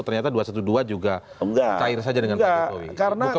ternyata dua ratus dua belas juga cair saja dengan pak jokowi